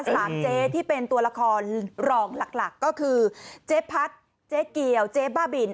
สามเจ๊ที่เป็นตัวละครรองหลักหลักก็คือเจ๊พัดเจ๊เกียวเจ๊บ้าบิน